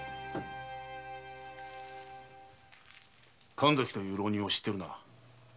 〕神崎という浪人を知っているな。